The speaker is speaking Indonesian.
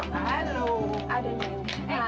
halo ada tante inti